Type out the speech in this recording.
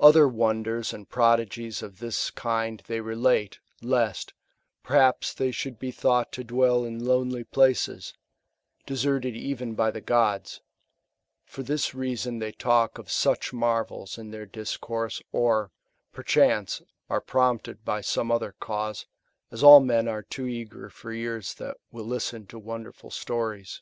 Other wonders and prodigies of this kind they relate, lest, perhaps, they should be thought to dwell in lonely places, deserted even by the gods ; for this reason they talk of such marvels in their discourse, or, perchance, are prompted by some other cause, as all men are too eager for ears Ma/ will listen to wonderful stories?